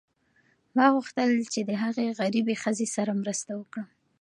ما غوښتل چې د هغې غریبې ښځې سره مرسته وکړم.